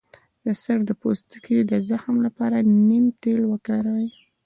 د سر د پوستکي د زخم لپاره د نیم تېل وکاروئ